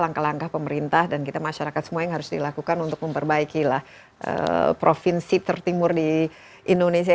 langkah langkah pemerintah dan kita masyarakat semua yang harus dilakukan untuk memperbaiki lah provinsi ter timur di indonesia